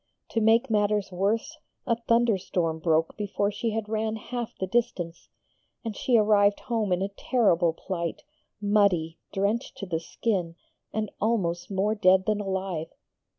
To make matters worse, a thunderstorm broke before she had ran half the distance, and she arrived home in a terrible plight, muddy, drenched to the skin, and almost more dead than alive.